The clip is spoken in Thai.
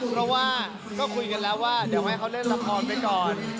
เพราะว่าก็คุยกันแล้วว่าเดี๋ยวให้เขาเล่นละครไปก่อน